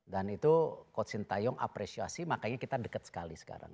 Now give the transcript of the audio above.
dan itu coach sinta apresiasi makanya kita dekat sekali sekarang